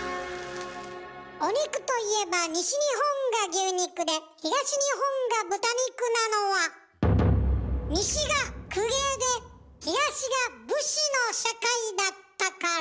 お肉といえば西日本が牛肉で東日本が豚肉なのは西が公家で東が武士の社会だったから。